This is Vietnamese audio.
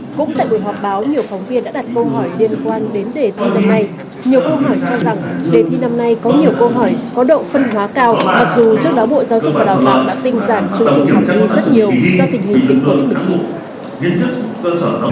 do tình hình tình huống của những vị trí